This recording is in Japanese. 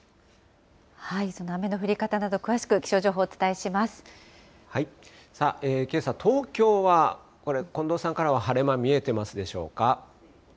その雨の降り方など、さあ、けさ、東京はこれ、近藤さんからは晴れ間見えてますでしょうか。